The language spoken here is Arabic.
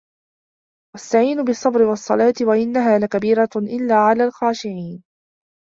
وَاسْتَعِينُوا بِالصَّبْرِ وَالصَّلَاةِ ۚ وَإِنَّهَا لَكَبِيرَةٌ إِلَّا عَلَى الْخَاشِعِينَ